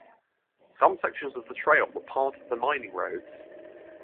Some sections of the trail were part of the mining roads.